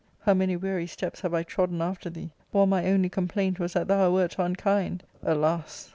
How many weary steps have I trodden after thee, while my only complaint was that thou wert un kind ! Alas